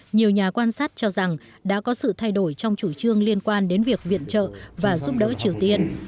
nhiều nhà quan sát cho rằng đã có sự thay đổi trong chủ trương liên quan đến việc viện trợ và giúp đỡ triều tiên